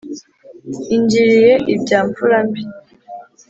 ingiriye ibya mfura mbi